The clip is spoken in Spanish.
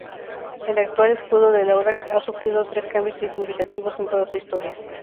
El actual escudo del Audax ha sufrido tres cambios significativos en toda su historia.